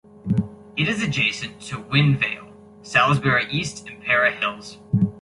It is adjacent to Wynn Vale, Salisbury East and Para Hills.